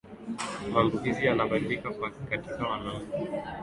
maambukizi yanabaki kuwa kati ya wanaume na wanawake